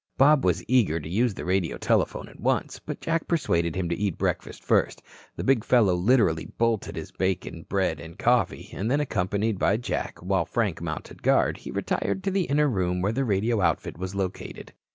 Bob was eager to use the radio telephone at once, but Jack persuaded him to eat breakfast first. The big fellow literally bolted his bacon, bread and coffee, and then accompanied by Jack, while Frank mounted guard, he retired to the inner room where the radio outfit was located.